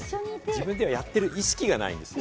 自分でやってる意識がないんですよ。